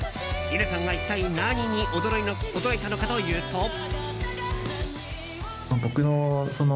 伊根さんが一体何に驚いたのかというと。